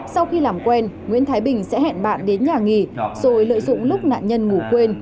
sau khi làm quen nguyễn thái bình sẽ hẹn bạn đến nhà nghỉ rồi lợi dụng lúc nạn nhân ngủ quên